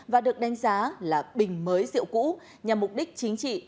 và được đánh giá là bình mới rượu cũ nhằm mục đích chính trị